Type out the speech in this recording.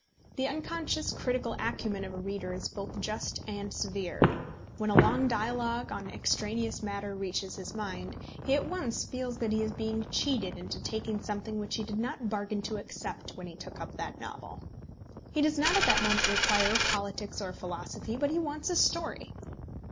The unconscious critical acumen of a reader is both just and severe. When a long dialogue on extraneous matter reaches his mind, he at once feels that he is being cheated into taking something which he did not bargain to accept when he took up that novel. He does not at that moment require politics or philosophy, but he wants his story.